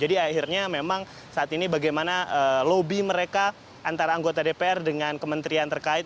jadi akhirnya memang saat ini bagaimana lobby mereka antara anggota dpr dengan kementerian terkait